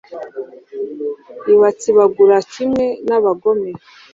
ibatsibagura kimwe n'abagome